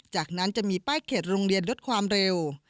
จากนั้นจะมีป้ายเขตโรงเรียนลดความเร็ว